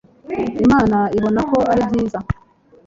imana ibona ko ari byiza